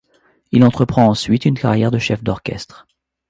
Il entreprend ensuite une carrière de chef d'orchestre.